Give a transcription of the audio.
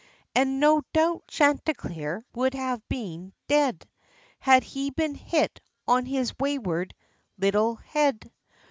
And no doubt Chanticleer would have been dead, Had he been hit on his wayward little head.